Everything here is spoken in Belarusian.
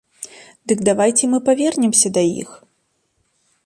Дык давайце мы павернемся да іх!